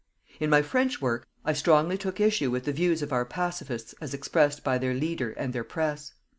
In my French work, I strongly took issue with the views of our pacifists as expressed by their leader and their press.